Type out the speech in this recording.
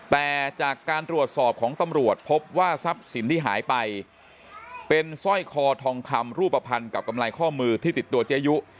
แต่จากการตรวจสอบของตำรวจพบว่าทรัพย์สินที่หายไปเป็นสร้อยคอทองคำรูปภัณฑ์กับกำไรข้อมือที่ติดตัวเจยุ